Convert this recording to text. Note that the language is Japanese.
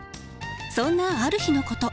そんなある日のこと。